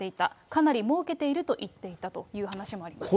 かなりもうけていると言っていたという話もあります。